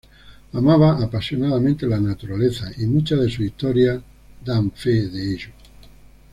Amaba apasionadamente la naturaleza, y muchas de sus historias dan fe de ello.